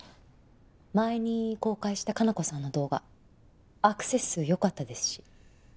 前に公開した可南子さんの動画アクセス数良かったですし。